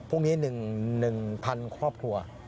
พรุ่งนี้๑๐๐๐ครอบครัว